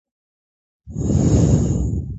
დეპარტამენტის დედაქალაქია ანტიგუა-გვატემალა.